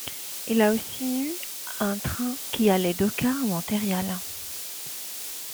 Il y a aussi eu un train qui allait d'Oka à Montréal.